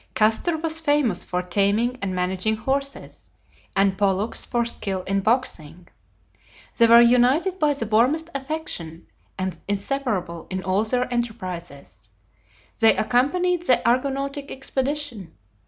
Castor was famous for taming and managing horses, and Pollux for skill in boxing. They were united by the warmest affection and inseparable in all their enterprises. They accompanied the Argonautic expedition.